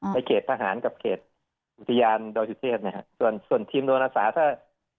ในเขตพหารกับเขตอุติยาดรสจุเชศเนี่ยฮะส่วนส่วนทีมโดนอาสาถ้า